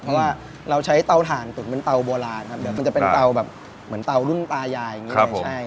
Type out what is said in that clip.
เพราะว่าเราใช้เตาถ่านตุ๋นเป็นเตาโบราณครับเดี๋ยวมันจะเป็นเตาแบบเหมือนเตารุ่นตายายอย่างนี้เลยใช่